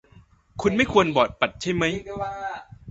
คุณไม่ควรบอกปัดใช่หรือไม่